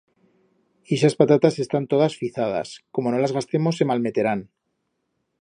Ixas patatas están todas fizadas, como no las gastemos se malmeterán.